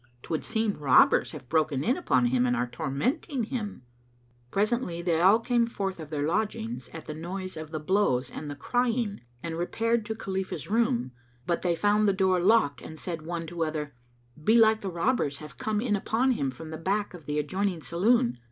'Twould seem robbers have broken in upon him and are tormenting him." Presently they all came forth of their lodgings, at the noise of the blows and the crying, and repaired to Khalifah's room, but they found the door locked and said one to other, "Belike the robbers have come in upon him from the back of the adjoining saloon.